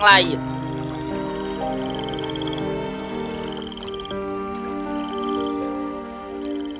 sampai jumpa lagi